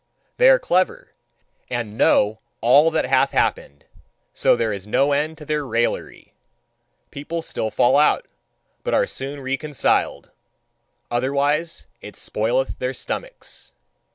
They are clever and know all that hath happened: so there is no end to their raillery. People still fall out, but are soon reconciled otherwise it spoileth their stomachs.